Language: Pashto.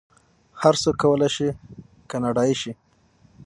هر څوک کولی شي کاناډایی شي.